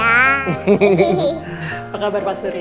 apa kabar pak surya